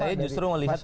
saya justru melihat bahwa